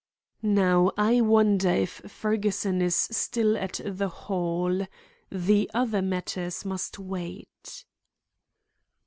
"Now, I wonder if Fergusson is still at the Hall? The other matters must wait."